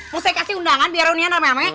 mau saya kasih undangan biar reunian ramai ramai